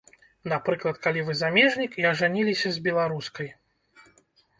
Напрыклад, калі вы замежнік і ажаніліся з беларускай.